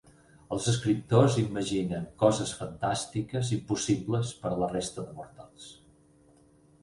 Els escriptors imaginen coses fantàstiques impossibles per a la resta de mortals.